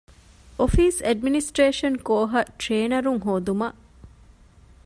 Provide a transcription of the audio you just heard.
އޮފީސް އެޑްމިނިސްޓްރޭޝަން ކޯހަށް ޓްރޭނަރުން ހޯދުމަށް